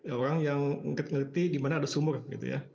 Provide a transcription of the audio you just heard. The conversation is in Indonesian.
orang yang ngetik ngerti di mana ada sumur gitu ya